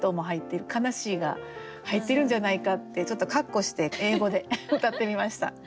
悲しいが入ってるんじゃないかってちょっと括弧して英語でうたってみました。